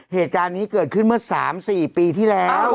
เหตุการณ์นี้เกิดขึ้นเมื่อ๓๔ปีที่แล้ว